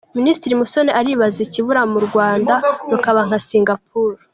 Minisitiri Musoni aribaza ikibura u Rwanda rukaba nka Singaporu